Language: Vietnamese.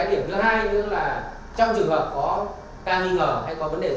cái điểm thứ hai nữa là trong trường hợp có ca nghi ngờ hay có vấn đề gì